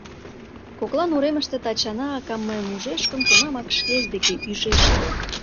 Коклан уремыште Тачана акам мыйым ужеш гын, тунамак шкеж деке ӱжеш ыле.